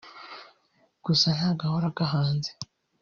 Gusa nta gahora gahanze